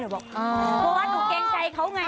เพราะว่าหนูเกรงใจเขาไง